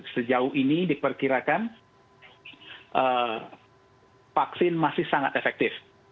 sejauh ini diperkirakan vaksin masih sangat efektif